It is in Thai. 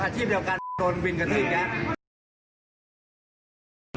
อาชีพเดียวกันโดนวินกระทิตย์เนี่ย